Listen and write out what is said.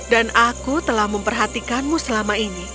dan aku telah memperhatikanmu selama ini